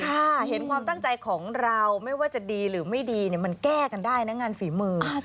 ค่ะเห็นความตั้งใจของเราไม่ว่าจะดีหรือไม่ดีมันแก้กันได้นะงานฝีมือ